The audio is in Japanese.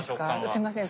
すいません